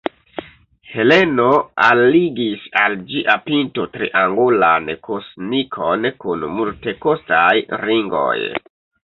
Heleno alligis al ĝia pinto triangulan kosnikon kun multekostaj ringoj.